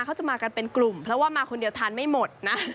เขาจะมากันเป็นกลุ่มเพราะว่ามาคนเดียวทานไม่หมดนะ